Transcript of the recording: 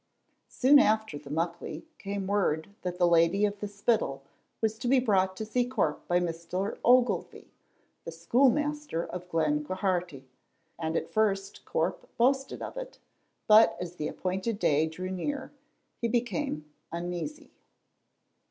Soon after the Muckley came word that the Lady of the Spittal was to be brought to see Corp by Mr. Ogilvy, the school master of Glen Quharity, and at first Corp boasted of it, but as the appointed day drew near he became uneasy.